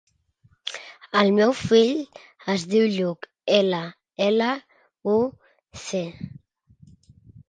El meu fill es diu Lluc: ela, ela, u, ce.